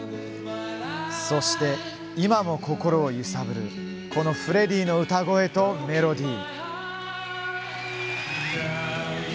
そして、今も心を揺さぶるフレディのこの歌声とメロディー。